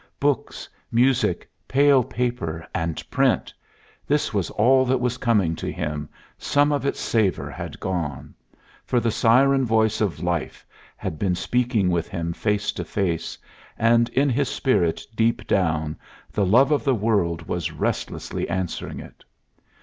Books, music, pale paper, and print this was all that was coming to him, some of its savor had gone; for the siren voice of Life had been speaking with him face to face, and in his spirit, deep down, the love of the world was restlessly answering it.